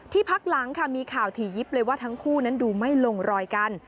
พักหลังค่ะมีข่าวถี่ยิบเลยว่าทั้งคู่นั้นดูไม่ลงรอยกัน